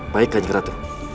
baik kanjeng ratu